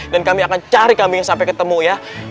dan kami akan cari kambing yang sampai ketemu ya